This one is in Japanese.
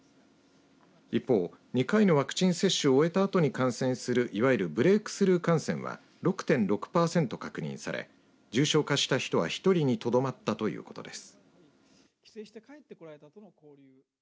一方、２回のワクチン接種を終えたあとに感染するいわゆるブレークスルー感染は６．６パーセント確認され重症化した人は１人にとどまったということです。